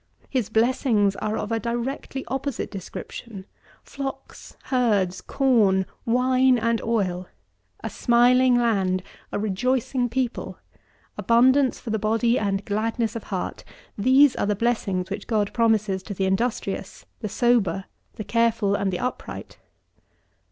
His blessings are of a directly opposite description; flocks, herds, corn, wine and oil; a smiling land; a rejoicing people; abundance for the body and gladness of the heart: these are the blessings which God promises to the industrious, the sober, the careful, and the upright.